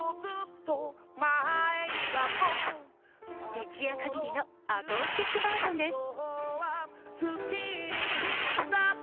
一夜限りのアコースティックバージョンです